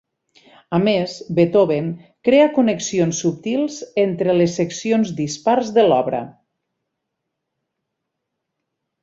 A més, Beethoven crea connexions subtils entre les seccions dispars de l'obra.